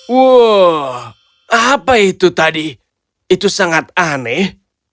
wow apa itu tadi itu sangat aneh